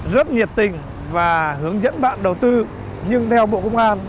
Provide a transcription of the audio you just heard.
rất nhiệt tình và hướng dẫn bạn đầu tư nhưng theo bộ công an